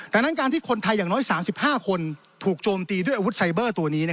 ดังนั้นการที่คนไทยอย่างน้อย๓๕คนถูกโจมตีด้วยอาวุธไซเบอร์ตัวนี้